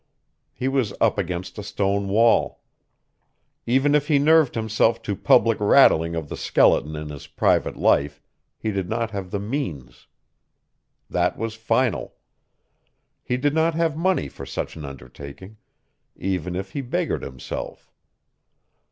He was up against a stone wall. Even if he nerved himself to public rattling of the skeleton in his private life, he did not have the means. That was final. He did not have money for such an undertaking, even if he beggared himself.